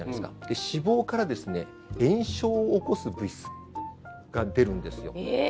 で、脂肪から炎症を起こす物質が出るんですよ。